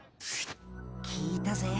聞いたぜ。